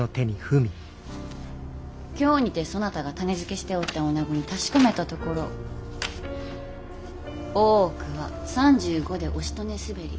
京にてそなたが種付けしておった女子に確かめたところ「大奥は３５でおしとねすべり。